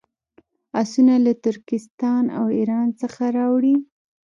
آسونه له ترکستان او ایران څخه راوړي.